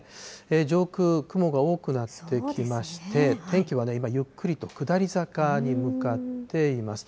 上空、雲が多くなってきまして、天気は今、ゆっくりと下り坂に向かっています。